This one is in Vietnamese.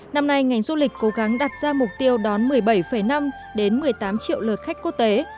năm nay ngành du lịch cố gắng đặt ra mục tiêu đón một mươi bảy năm một mươi tám triệu lượt khách quốc tế